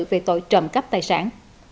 về tội trộm cắp tài sản